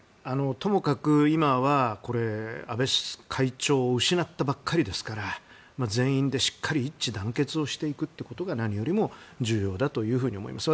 ともかく今は安倍会長を失ったばかりですから全員でしっかり一致団結をしていくことが何よりも重要だと思います。